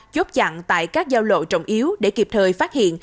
chốt chặn tại các giao lộ trọng yếu để kịp thời phát hiện